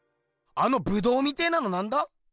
あのブドウみてえなのなんだ？